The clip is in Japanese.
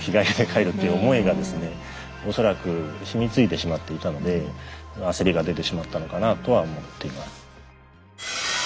恐らくしみついてしまっていたので焦りが出てしまったのかなとは思っています。